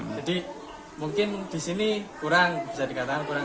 jadi mungkin di sini kurang bisa dikatakan kurang